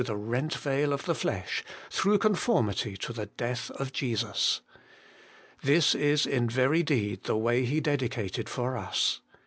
the rent veil of the flesh, through conformity to the death of Jesus. This is in very deed the way He dedicated for us.